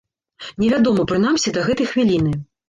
Невядома, прынамсі, да гэтай хвіліны.